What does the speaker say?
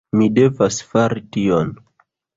Mi devas fari tion.